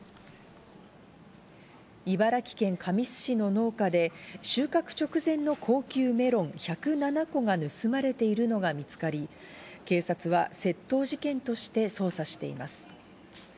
茨城県神栖市の農家で収穫直前の高級メロン１０７個が盗まれているのが見つかり、警察は窃盗事件として捜査しています。